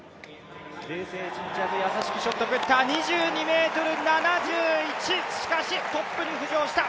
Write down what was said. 冷静沈着、優しきショットプッター、２２ｍ７１、しかしトップに浮上した。